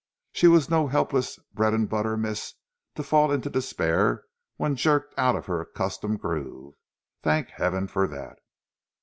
She was no helpless bread and butter miss to fall into despair when jerked out of her accustomed groove. Thank Heaven for that!